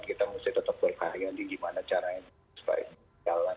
kita mesti tetap berkarya di gimana caranya supaya ini jalan